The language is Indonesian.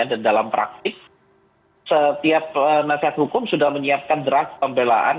dan dalam praktik setiap penasehat hukum sudah menyiapkan draft pembelaan